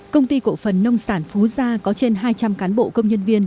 công ty cổ phần nông sản phú gia có trên hai trăm linh cán bộ công nhân viên